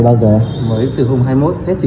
mấy quán chưa mở đâu